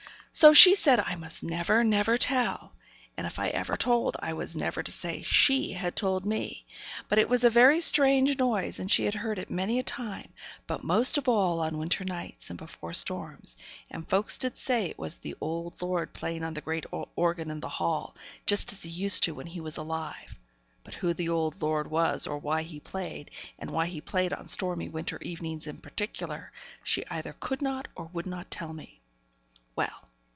So she said I must never, never tell; and if ever I told, I was never to say she had told me; but it was a very strange noise, and she had heard it many a time, but most of all on winter nights, and before storms; and folks did say it was the old lord playing on the great organ in the hall, just as he used to do when he was alive; but who the old lord was, or why he played, and why he played on stormy winter evenings in particular, she either could not or would not tell me. Well!